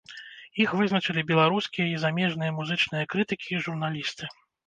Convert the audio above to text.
Іх вызначылі беларускія і замежныя музычныя крытыкі і журналісты.